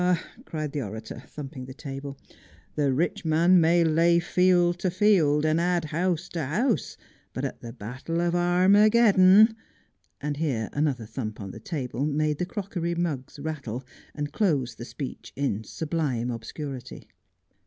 ' cried the orator, thumping the table, ' the rich man may lay field to field, and add house to house, but at the battle of Armageddon —' and here another thump on the table made the crockery mugs rattle, and closed the speech in sublime obscurity.